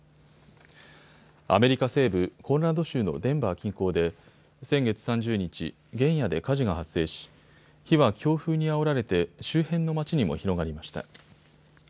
アメリカ西部コロラド州のデンバー近郊で先月３０日、原野で火事が発生し火は強風にあおられて周辺の町にも広がりました。